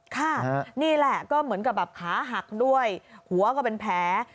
ค่ะนี่แหละก็เหมือนกับแบบขาหักด้วยหัวก็เป็นแผล